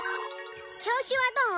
「調子はどう？」